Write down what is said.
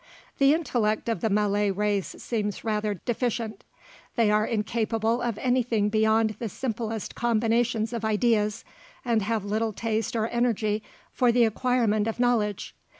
The intellect of the Malay race seems rather deficient. They are incapable of anything beyond the simplest combinations of ideas, and have little taste or energy for the acquirement of knowledge.